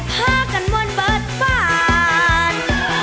พากันมนต์เปิดบ้าน